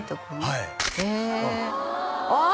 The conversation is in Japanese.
はいああ！